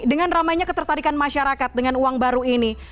dengan ramainya ketertarikan masyarakat dengan uang baru ini